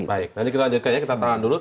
baik nanti kita lanjutkan ya kita tahan dulu